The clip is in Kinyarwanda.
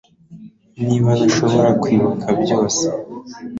Niba ntashobora kwibuka byose